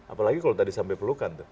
apalagi kalau tadi sampai pelukan